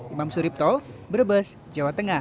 imam suripto brebes jawa tengah